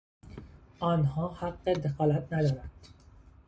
آنها حق دخالت ندارند.